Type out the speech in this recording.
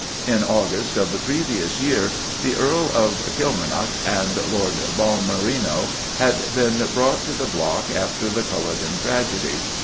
In August of the previous year the Earl of Kilmarnock and Lord Balmerino had been brought to the block after the Culloden tragedy.